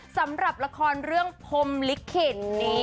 สำหรับละครเรื่องพรมลิขิต